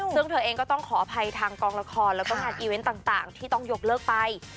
ซึ่งเธอเองก็ต้องขออภัยทางกองละครแล้วก็งานอีเวนต์ต่างที่ต้องยกเลิกไป